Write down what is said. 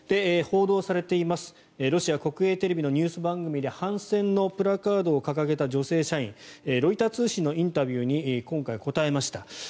報道されているロシア国営テレビのニュース番組で反戦のプラカードを掲げた女性社員ロイター通信のインタビューに今回、答えました。